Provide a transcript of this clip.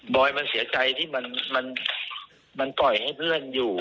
อยมันเสียใจที่มันปล่อยให้เพื่อนอยู่